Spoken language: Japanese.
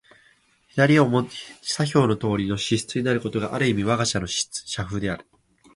左表のとおりの支出になることが、ある意味わが社の社風である。